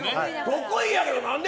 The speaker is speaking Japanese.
得意やけど、何で？